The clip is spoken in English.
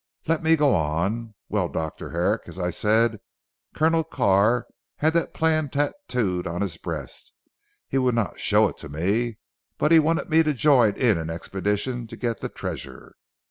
Let me go on. Well, Dr. Herrick, as I said, Colonel Carr had that plan tattooed on his breast. He would not show it to me, but wanted me to join in an expedition to get the treasure.